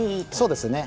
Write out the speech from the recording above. そうですね。